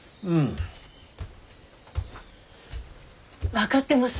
分かってます。